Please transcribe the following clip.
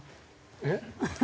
えっ？